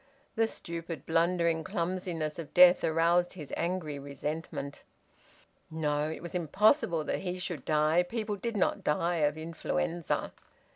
The stupid, blundering clumsiness of death aroused his angry resentment. No! It was impossible that he should die! People did not die of influenza.